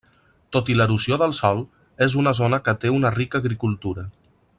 Tot i l'erosió del sòl, és una zona que té una rica agricultura.